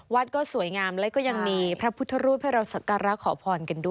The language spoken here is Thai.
วัดก็สวยงามแล้วก็ยังมีพระพุทธรูปให้เราสักการะขอพรกันด้วย